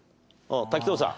滝藤さん。